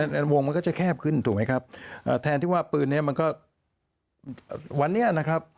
ในวงมันก็จะแคบขึ้นถูกไหมครับอ่าแทนที่ว่าปืนเนี้ยมันก็วันนี้นะครับ